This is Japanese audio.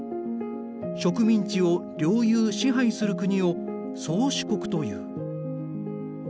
植民地を領有支配する国を宗主国という。